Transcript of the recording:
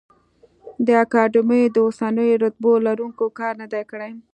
د اکاډمیو د اوسنیو رتبو لروونکي کار نه دی کړی.